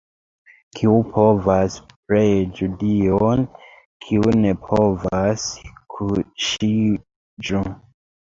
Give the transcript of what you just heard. Kiu povas, preĝu Dion, kiu ne povas, kuŝiĝu!